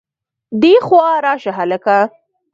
دېخوا راشه هلکه